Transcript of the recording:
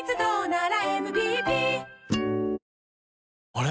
あれ？